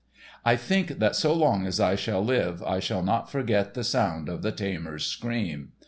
I think that so long as I shall live I shall not forget the sound of the tamer's scream.